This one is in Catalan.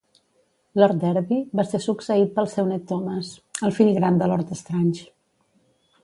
Lord Derby va ser succeït pel seu net Thomas, el fill gran de Lord Strange.